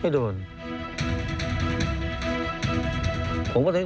ไม่โดนเลยไม่โดน